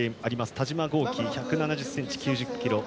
田嶋剛希１７０ｃｍ、９０ｋｇ。